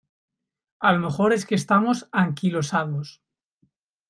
a lo mejor es que estamos anquilosados.